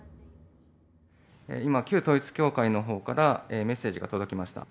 今、旧統一教会のほうからメッセージが届きました。